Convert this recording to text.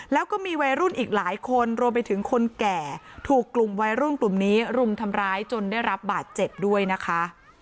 แล้วก็มีวัยรุ่นอีกหลายคนรวมไปถึงคนแก่ถูกกลุ่มวัยรุ่นกลุ่มนี้รุมทำร้ายจนได้รับบาดเจ็บด้วยนะคะ